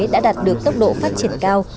đã đạt được tốc độ phát triển cao